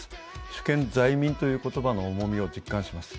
主権在民という言葉の重みを実感します。